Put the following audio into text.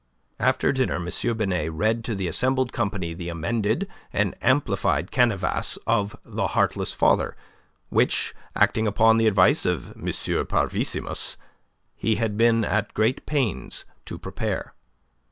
After dinner M. Binet read to the assembled company the amended and amplified canevas of "The Heartless Father," which, acting upon the advice of M. Parvissimus, he had been at great pains to prepare.